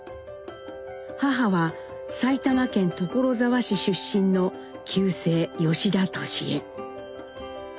母は埼玉県所沢市出身の旧姓吉田智江。